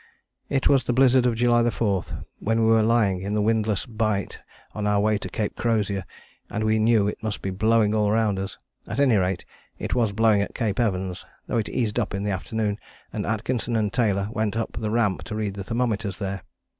It was the blizzard of July 4, when we were lying in the windless bight on our way to Cape Crozier, and we knew it must be blowing all round us. At any rate it was blowing at Cape Evans, though it eased up in the afternoon, and Atkinson and Taylor went up the Ramp to read the thermometers there.